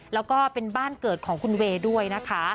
แล้วก็เป็นบ้านเกิดของคุณเวย์ด้วยนะคะ